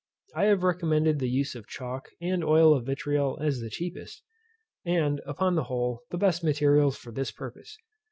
I have recommended the use of chalk and oil of vitriol as the cheapest, and, upon the whole, the best materials for this purpose.